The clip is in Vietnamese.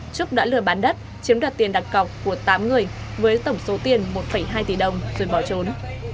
trúc đã lừa bán đất chiếm đoạt tiền đặc cọc của tám người với tổng số tiền một hai tỷ đồng rồi bỏ trốn